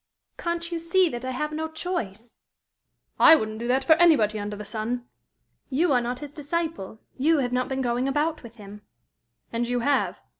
"Can't you see that I have no choice?" "I wouldn't do that for anybody under the sun!" "You are not his disciple. You have not been going about with him." "And you have?"